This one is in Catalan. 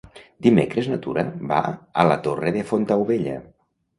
Dimecres na Tura va a la Torre de Fontaubella.